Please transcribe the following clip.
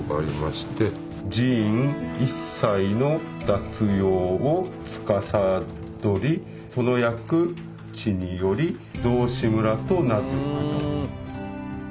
「寺院一切の雑用をつかさどりその役地により雑司村と名付く」と。